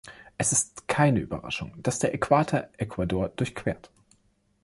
Es ist keine Überraschung, dass der Äquator Ecuador durchquert.